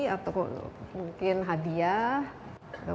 atau mungkin hadiah